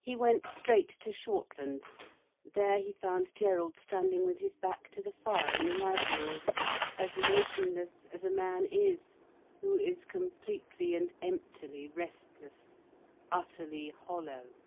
He went straight to Shortlands. There he found Gerald standing with his back to the fire, in the library, as motionless as a man is, who is completely and emptily restless, utterly hollow.